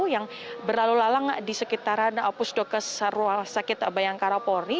yang berlalu lalang di sekitaran pusdokes rumah sakit bayangkara polri